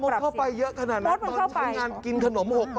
มดมันเข้าไปเยอะขนาดนั้นตอนช่วยงานกินขนมพอ๖ป่ะครับ